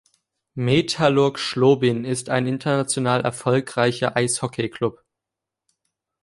Metallurg Schlobin ist ein international erfolgreicher Eishockeyklub.